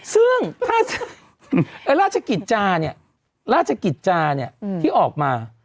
ซึ่งราชกิจจาเนี่ยราชกิจจาเนี่ยที่ออกมา